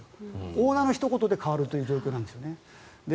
オーナーのひと言で変わるという状況なんです。